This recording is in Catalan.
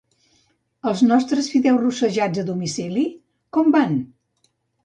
Els nostres fideus rossejats a domicili com van?